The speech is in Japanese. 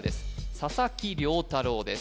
佐々木涼太郎です